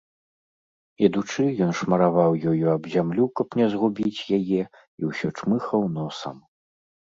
Ідучы, ён шмараваў ёю аб зямлю, каб не згубіць яе, і ўсё чмыхаў носам.